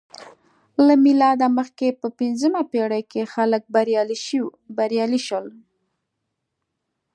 له میلاده مخکې په پنځمه پېړۍ کې خلک بریالي شول